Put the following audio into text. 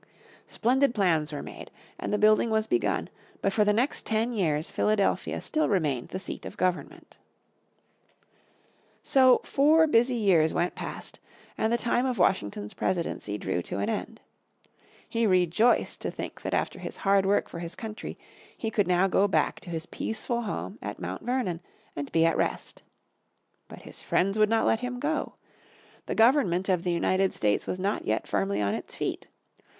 Splendid plans were made, and the building was begun, but for the next ten years Philadelphia still remained the seat of government. So four busy years went past, and the time of Washington's presidency drew to an end. He rejoiced to think that after his hard work for his country he could now go back to his peaceful home at Mount Vernon, and be at rest. But his friends would not let him go. The government of the United States was not yet firmly on its feet.